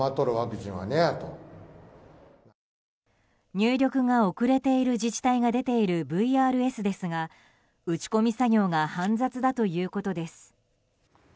入力が遅れている自治体が出ているＶＲＳですが打ち込み作業が煩雑だということです。